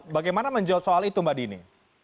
bagaimana menjawab soal itu mbak dini